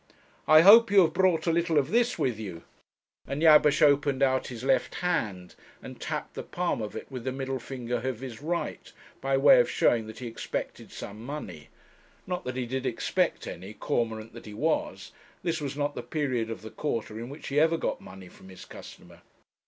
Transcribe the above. I hope you have brought a little of this with you;' and Jabesh opened out his left hand, and tapped the palm of it with the middle finger of his right, by way of showing that he expected some money: not that he did expect any, cormorant that he was; this was not the period of the quarter in which he ever got money from his customer.